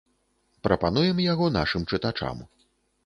Прапануем яго нашым чытачам.